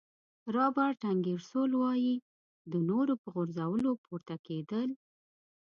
رابرټ انګیرسول وایي د نورو په غورځولو پورته کېدل.